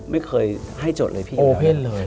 ไม่เคยให้โจทย์เลยพี่อยู่แล้ว